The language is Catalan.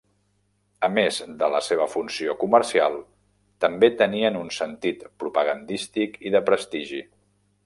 A més de la seva funció comercial, també tenien un sentit propagandístic i de prestigi.